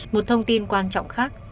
một thông tin quan trọng khác